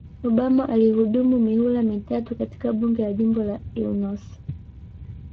Obama alihudumu mihula mitatu katika Bunge la jimbo la Illinos